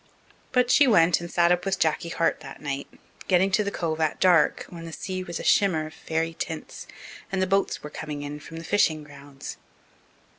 But she went and sat up with Jacky Hart that night, getting to the Cove at dark, when the sea was a shimmer of fairy tints and the boats were coming in from the fishing grounds.